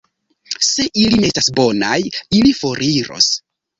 Se ili ne estas bonaj, ili foriros.